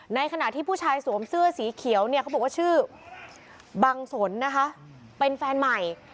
ในขณะที่ผู้ชายสวมเสื้อสีเขียวเนี่ยเขาบอกว่าชื่อบังสนนะคะเป็นแฟนใหม่